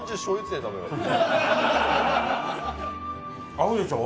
合うでしょ？